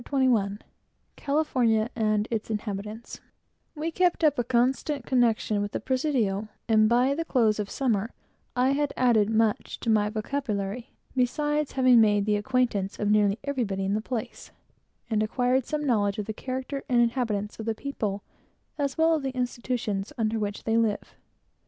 CHAPTER XXI CALIFORNIA AND ITS INHABITANTS We kept up a constant connection with the Presidio, and by the close of the summer I had added much to my vocabulary, beside having made the acquaintance of nearly everybody in the place, and acquired some knowledge of the character and habits of the people, as well as of the institutions under which they live.